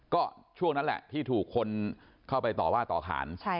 ก็ช่วงนั้นแหละที่ถูกคนเข้าไปต่อว่าต่อขาน